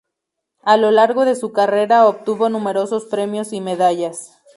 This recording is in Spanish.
A lo largo de su carrera obtuvo numerosos premios y medallas.